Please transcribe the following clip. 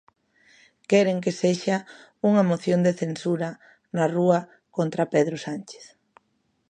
Queren que sexa unha moción de censura na rúa contra Pedro Sánchez.